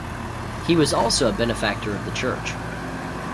He was also a benefactor of the church.